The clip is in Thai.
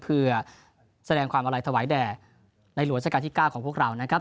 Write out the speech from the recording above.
เพื่อแสดงความอาลัยถวายแด่ในหลวงราชการที่๙ของพวกเรานะครับ